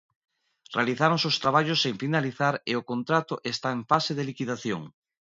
Realizáronse os traballos sen finalizar e o contrato está en fase de liquidación.